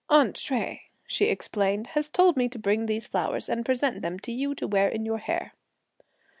"'Aunt' Hsüeh," she explained, "has told me to bring these flowers and present them to you to wear in your hair."